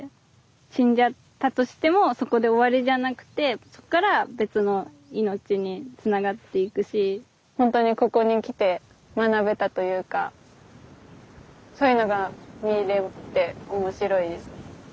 死んじゃったとしてもそこで終わりじゃなくてそっから別の命につながっていくしほんとにここに来て学べたというかそういうのが見れて面白いです。